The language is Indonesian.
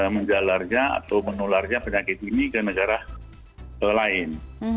menjalarnya atau menularnya penyakit ini ke negara lain